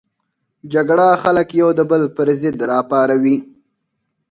جګړه خلک یو د بل پر ضد راپاروي